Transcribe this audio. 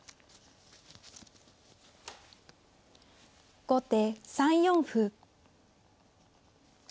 後手３四歩。